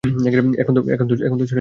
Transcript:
এখন তো ছেড়ে দিন।